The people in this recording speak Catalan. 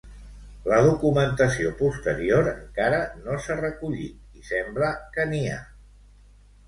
La documentació posterior encara no s'ha recollit i sembla que n'hi ha.